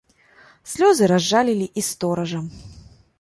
Слёзы разжалілі і стоража.